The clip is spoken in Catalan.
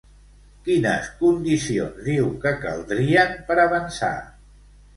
Quines condicions diu que caldrien per avançar?